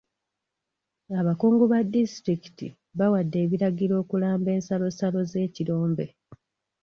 Abakungu ba disitulikiti bawadde ebiragiro okulamba ensalosalo z'ekirombe.